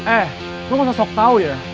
eh lu masa sok tau ya